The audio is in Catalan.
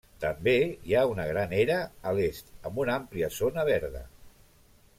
També hi ha una gran era a l'est amb una àmplia zona verda.